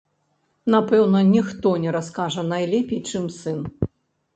Напэўна, ніхто не раскажа найлепей, чым сын.